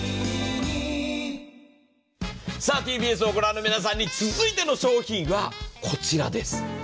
ＴＢＳを御覧の皆さんに、続いての商品はこちらです。